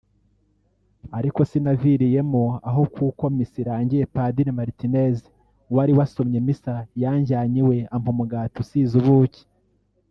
ariko sinaviriyemo aho kuko misa irangiye Padiri Martinez wari wasomye misa yanjyanye iwe ampa umugati usize ubuki